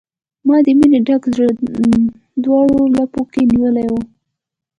ما د مینې ډک زړه، دواړو لپو کې نیولی و